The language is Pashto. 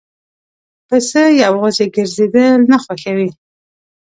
پسه یواځی ګرځېدل نه خوښوي.